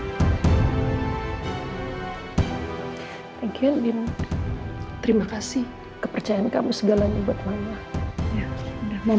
thank you din terima kasih kepercayaan kamu segalanya buat mama